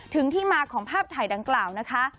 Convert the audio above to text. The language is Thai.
ที่มาของภาพถ่ายดังกล่าวนะคะ